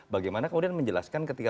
bagaimana kemudian menjelaskan ketika